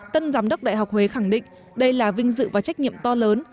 tân giám đốc đại học huế khẳng định đây là vinh dự và trách nhiệm to lớn